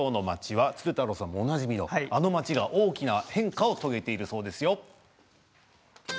鶴太郎さんもおなじみのあの町が今、大きく変化を遂げているそうです。